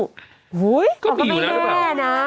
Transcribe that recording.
ก็ต้องไปแแลกนะ